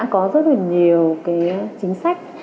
có rất là nhiều chính sách